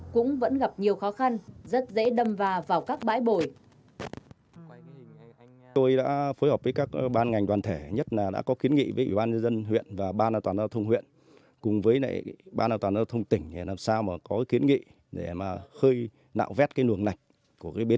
cũng vẫn gặp nhiều khó khăn rất dễ đâm vào vào các bãi bồi